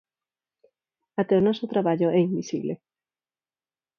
Até o noso traballo é invisible.